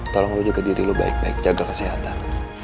tolong lo jaga diri lo baik baik jaga kesehatan